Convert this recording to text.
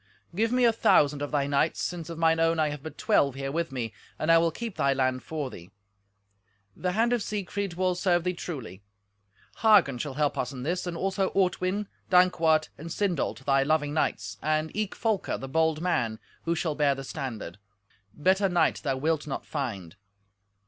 "Give me a thousand of thy knights, since of mine own I have but twelve here with me, and I will keep thy land for thee. The hand of Siegfried will serve thee truly. Hagen shall help us in this, and also Ortwin, Dankwart, and Sindolt, thy loving knights, and eke Folker, the bold man, who shall bear the standard: better knight thou wilt not find.